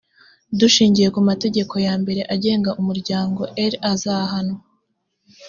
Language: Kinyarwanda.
dushingiye ku mategeko ya mbere agenga umuryango eer azahanwa.